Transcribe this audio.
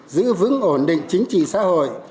giữ vững ổn định chính trị xã hội